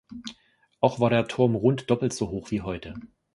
Auch war der Turm rund doppelt so hoch wie heute.